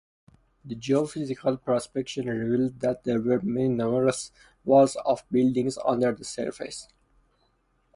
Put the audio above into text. The geophysical prospection revealed that there were numerous walls of buildings under the surface.